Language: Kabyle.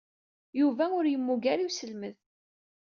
Yuba ur yemmug ara i uselmed.